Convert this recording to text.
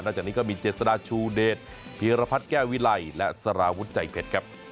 จากนี้ก็มีเจษฎาชูเดชพีรพัฒน์แก้ววิไลและสารวุฒิใจเพชรครับ